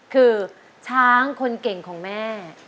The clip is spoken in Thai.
คือช้างคนเก่งของแม่